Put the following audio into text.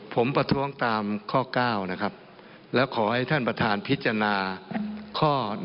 ผมประท้วงตามข้อ๙นะครับแล้วขอให้ท่านประธานพิจารณาข้อ๑